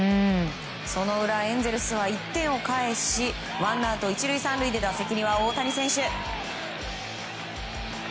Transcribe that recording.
その裏、エンゼルスは１点を返しワンアウト１塁３塁で打席には大谷選手。